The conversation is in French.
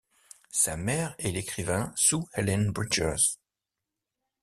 Sa mère est l'écrivain Sue Ellen Bridgers.